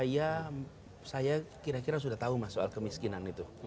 ya saya kira kira sudah tahu mas soal kemiskinan itu